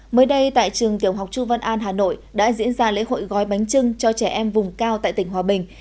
mới đây tại trường tiểu học chu văn an hà nội đã diễn ra lễ hội gói bánh trưng cho trẻ em vùng cao tại tỉnh hòa bình